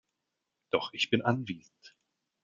Doch ich bin anwesend.